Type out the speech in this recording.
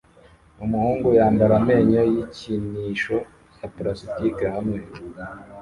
Umuhungu yambara amenyo yikinisho ya plastike hamwe